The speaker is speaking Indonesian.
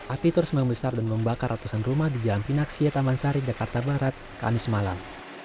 api terus membesar dan membakar ratusan rumah di jalan pinaksia taman sari jakarta barat kamis malam